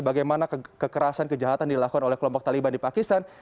bagaimana kekerasan kejahatan dilakukan oleh kelompok taliban di pakistan